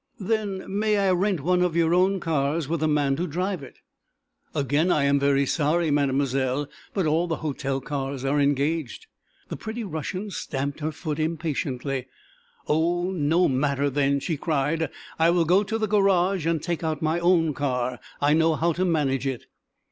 "Then may I rent one of your own cars, with a man to drive it?" "Again, I am very sorry, Mademoiselle, but all the hotel cars are engaged." The pretty Russian stamped her foot impatiently. "Oh, no matter, then," she cried. "I will go to the garage and take out my own car. I know how to manage it."